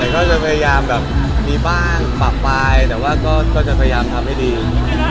ไม่ค่อยแบบแนวเรื่องอะไรอย่างนี้หรอ